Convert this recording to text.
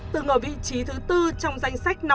từng ở vị trí thứ bốn trong danh sách